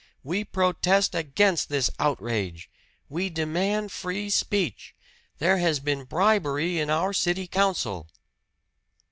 We protest against this outrage! We demand free speech! There has been bribery in our city council!"